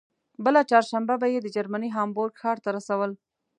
بله چهارشنبه به یې د جرمني هامبورګ ښار ته رسول.